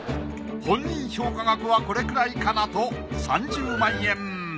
本人評価額はこれくらいかなと３０万円。